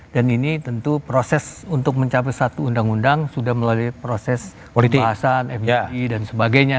ini tentu proses untuk mencapai satu undang undang sudah melalui proses pembahasan fpi dan sebagainya